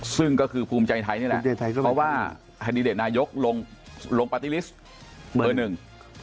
ซึ่งก็คือภูมิใจไทยนี่แหละเพราะว่าฮนายกลงปาร์ติลิสต์เมอร์หนึ่ง